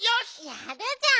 やるじゃん。